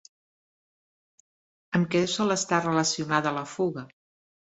Amb què sol estar relacionada la fuga?